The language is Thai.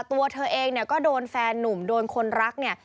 ตัวเธอเองเนี่ยก็โดนแฟนนุ่มโดนคนรักเนี่ย